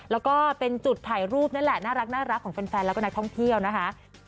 แล้วก็เป็นจุดถ่ายรูปนั่นแหละน่ารักของแฟนแล้วก็นักท่องเที่ยวนะคะ